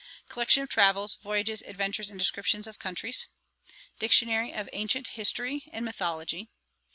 'Collection of Travels, Voyages, Adventures, and Descriptions of Countries. 'Dictionary of Ancient History and Mythology.